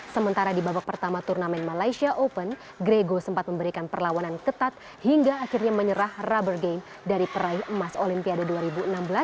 sementara di babak pertama turnamen malaysia open grego sempat memberikan perlawanan ketat hingga akhirnya menyerah rubber game dari peraih emas olimpiade dua ribu enam belas